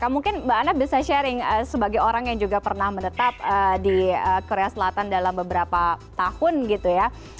mungkin mbak anna bisa sharing sebagai orang yang juga pernah menetap di korea selatan dalam beberapa tahun gitu ya